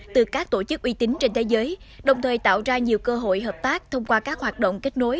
từ các tổ chức uy tín trên thế giới đồng thời tạo ra nhiều cơ hội hợp tác thông qua các hoạt động kết nối